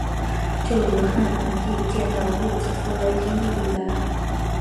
就如汉武帝见到卫子夫的经历一般。